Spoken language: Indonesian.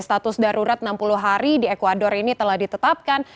status darurat enam puluh hari di ecuador ini telah ditetapkan